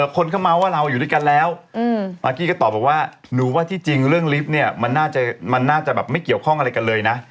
คนเข้ามาว่าเราอยู่ด้วยกันแล้วมากกี้ก็ตอบบอกว่าหนูว่าที่จริงเรื่องลิฟต์เนี่ยมันน่าจะแบบไม่เกี่ยวข้องอะไรกันเลยนะ